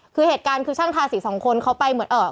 คือเหตุการณ์คือช่างทาสีสองคนเขาไปเหมือนเอ่อ